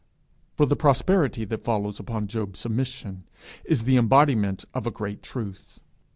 For the prosperity that follows upon Job's submission, is the embodiment of a great truth.